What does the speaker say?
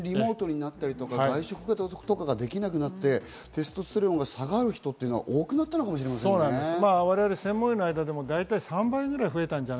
コロナ禍で本当にリモートになったり、外食ができなくなってテストステロンが下がる人が多くなったのかもしれませんね。